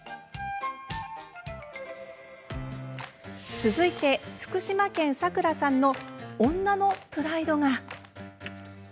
続いて、福島県さくらさんの女のプライドが。